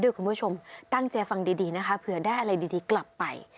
คุณผู้ชมตั้งใจฟังดีนะคะเผื่อได้อะไรดีกลับไป